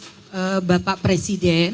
kami mohon maaf bapak presiden